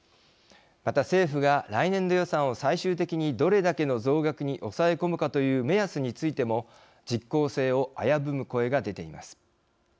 また政府が、来年度予算を最終的に、どれだけの増額に抑え込むかという目安についても実効性を危ぶむ声が出ています。